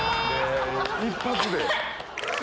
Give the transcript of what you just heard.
一発で？